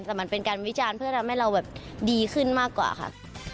แต่มันเป็นการวิจารณ์เพื่อทำให้เราแบบดีขึ้นมากกว่าค่ะ